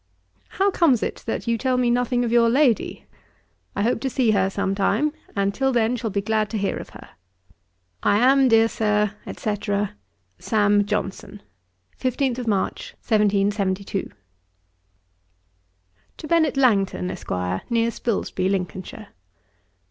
'How comes it that you tell me nothing of your lady? I hope to see her some time, and till then shall be glad to hear of her. 'I am, dear Sir, &c. 'SAM. JOHNSON.' 'March 15, 1772.' 'To BENNET LANGTON, ESQ., NEAR SPILSBY, LINCOLNSHIRE.